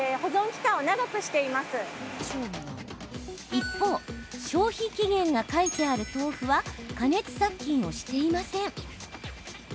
一方、消費期限が書いてある豆腐は加熱殺菌をしていません。